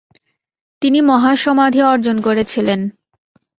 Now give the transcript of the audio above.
তিনি মহাসমাধি অর্জন করেছিলেন।